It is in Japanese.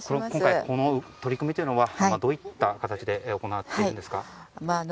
今回この取り組みはどういった形で行われているんですか。